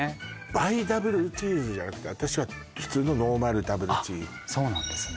倍ダブルチーズじゃなくて私は普通のノーマルダブルチーズそうなんですね